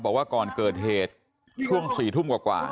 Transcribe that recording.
บอกว่าก่อนเกิดเหตุช่วง๔ทุ่มกว่า